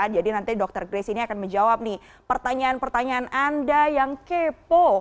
jadi nanti dr grace ini akan menjawab pertanyaan pertanyaan anda yang kepo